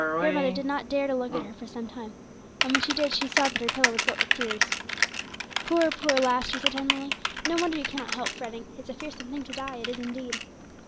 Grandmother did not dare to look at her for some time, and when she did she saw that her pillow was wet with tears. 'Poor lass, poor lass!' she said tenderly; 'no wonder ye cannot help fretting; it's a fearsome thing to die, it is indeed.'